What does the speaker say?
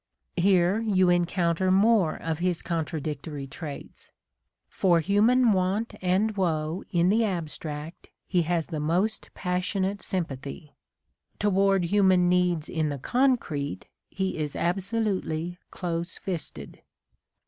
Here you encounter more of his contradictory traits. For human want and woe in the abstract he has the most passion ate sympathy : toward human needs in the concrete he is absolutely close fisted.